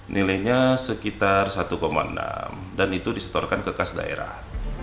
nilainya sekitar satu enam dan itu disetorkan ke kas daerah